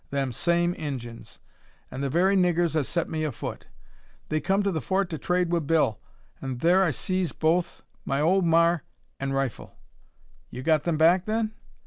"Them same Injuns; an' the very niggurs as set me afoot. They kum to the Fort to trade wi' Bill, an' thur I sees both my old mar an' rifle!" "You got them back then?"